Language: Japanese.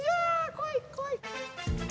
怖い怖い！